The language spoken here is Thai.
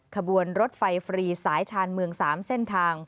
ขบวนรถไฟฟรีสายชานเมือง๓เส้นทาง